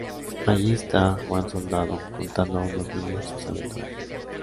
Allí está Juan Soldado contando a unos niños sus aventuras.